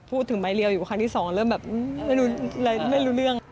ถึงไม้เรียวอยู่ครั้งที่สองเริ่มแบบไม่รู้เรื่อง